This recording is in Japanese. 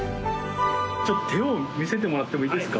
ちょっと手を見せてもらってもいいですか？